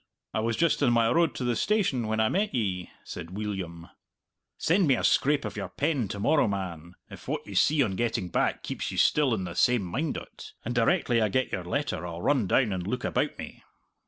"I was just on my road to the station when I met ye," said Weelyum. "Send me a scrape of your pen to morrow, man, if what you see on getting back keeps you still in the same mind o't. And directly I get your letter I'll run down and look about me."